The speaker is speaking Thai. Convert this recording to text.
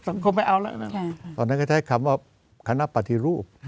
ไม่เอาแล้วนะตอนนั้นก็ใช้คำว่าคณะปฏิรูป